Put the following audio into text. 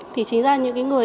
thì chính ra những cái người